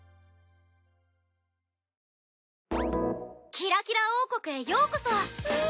キラキラ王国へようこそ！